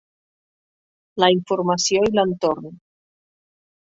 La informació i l'entorn